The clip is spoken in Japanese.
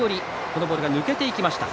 このボールが抜けていきました。